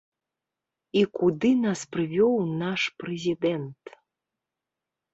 І куды нас прывёў наш прэзідэнт?